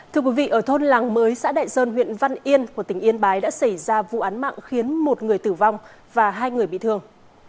thưa quý vị ở thôn làng mới xã đại sơn huyện văn yên của tỉnh yên bái đã xảy ra vụ án mạng khiến một người tử vong và hai người bị thương